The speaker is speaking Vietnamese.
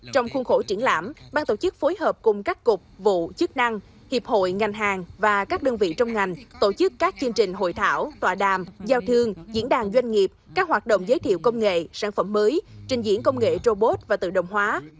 trong khuôn khổ triển lãm ban tổ chức phối hợp cùng các cục vụ chức năng hiệp hội ngành hàng và các đơn vị trong ngành tổ chức các chương trình hội thảo tòa đàm giao thương diễn đàn doanh nghiệp các hoạt động giới thiệu công nghệ sản phẩm mới trình diễn công nghệ robot và tự động hóa